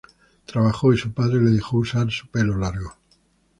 Trabajó, y su padre le dejó usar su pelo largo.